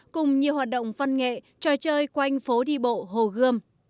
cùng nhiều hoạt động văn nghệ trò chơi quanh phố đi bộ hồ gươm